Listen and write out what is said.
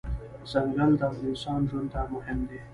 ځنګل د انسان ژوند ته مهم دی.